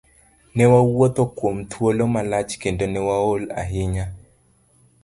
Newawuotho kuom thuolo malach kendo ne waol ahinya.